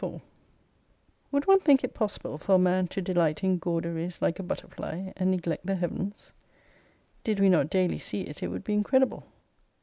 34 "Would one think it possible for a man to delight in gauderies like a butterfly, and neglect the Heavens ? Did we not daily see it, it would be incredible.